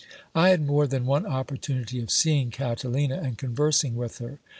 I had more than one opportunity of seeing Catalina, and conversing with her.